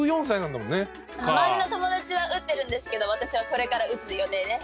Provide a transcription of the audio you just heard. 周りの友達は打っているんですけど私はこれから打つ予定です。